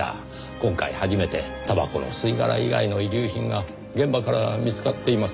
今回初めてたばこの吸い殻以外の遺留品が現場から見つかっています。